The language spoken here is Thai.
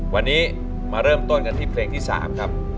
วันนี้มาเริ่มต้นกันที่เพลงที่๓ครับ